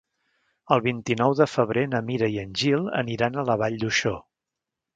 El vint-i-nou de febrer na Mira i en Gil aniran a la Vall d'Uixó.